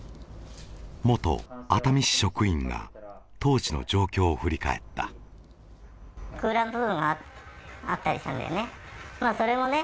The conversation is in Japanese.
元熱海市職員が当時の状況を振り返ったんだよね